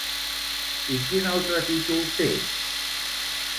I quin altre títol té?